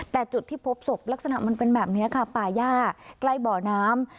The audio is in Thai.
แต่จุดที่พบศพลักษณะมันเป็นแบบนี้ค่ะป่าย่าใกล้บ่อน้ำ